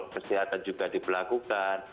kesehatan juga diberlakukan